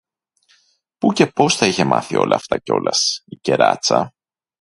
Πού και πώς τα είχε μάθει όλα αυτά κιόλας, η κεράτσα;